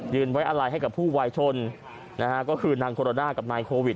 ยืนไว้อะไล่ให้กับผู้วายชนก็คือนางโคโรด้ากับนายโควิด